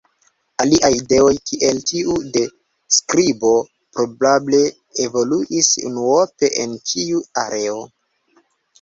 Aliaj ideoj kiel tiu de skribo probable evoluis unuope en ĉiu areo.